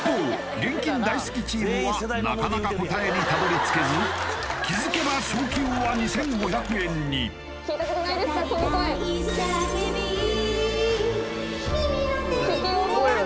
現金大好きチームはなかなか答えにたどり着けず気づけば賞金は２５００円に聞いたことないですか？